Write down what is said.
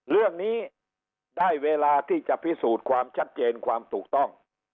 เรื่องนี้ได้เวลาที่จะพิสูจน์ความชัดเจนความถูกต้อง